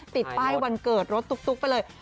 ติดป้ายวันเกิดรถตุ๊กไปเลย